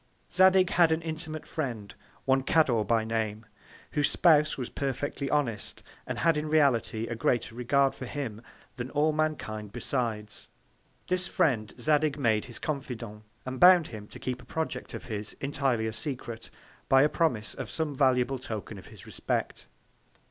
Zadig had an intimate Friend, one Cador by Name, whose Spouse was perfectly honest, and had in reality a greater Regard for him, than all Mankind besides: This Friend Zadig made his Confident, and bound him to keep a Project of his entirely a Secret, by a Promise of some valuable Token of his Respect.